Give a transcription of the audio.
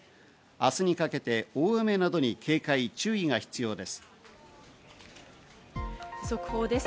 明日にかけて大雨などに警戒注意が必要です。